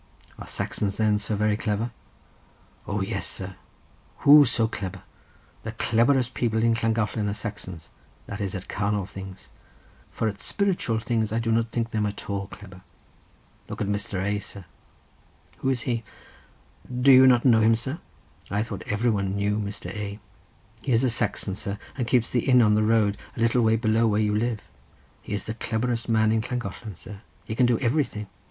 "Are Saxons then so very clever?" "O yes, sir; who so clebber? The clebberest people in Llangollen are Saxons; that is, at carnal things—for at spiritual things I do not think them at all clebber. Look at Mr. A., sir." "Who is he?" "Do you not know him, sir? I thought everybody knew Mr. A. He is a Saxon, sir, and keeps the inn on the road a little way below where you live. He is the clebberest man in Llangollen, sir. He can do everything.